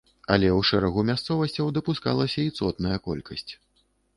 Але ў шэрагу мясцовасцяў дапускалася і цотная колькасць.